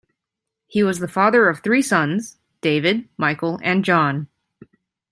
He was the father of three sons, David, Michael, and John.